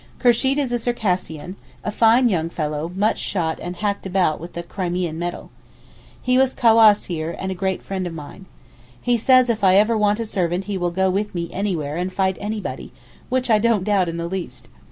Kursheed is a Circassian, a fine young fellow much shot and hacked about and with a Crimean medal. He is cawass here and a great friend of mine. He says if I ever want a servant he will go with me anywhere and fight anybody—which I don't doubt in the least.